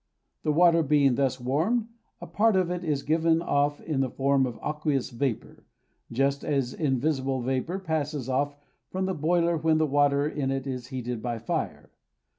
The water being thus warmed, a part of it is given off in the form of aqueous vapour, just as invisible vapour passes off from a boiler when the water in it is heated by fire.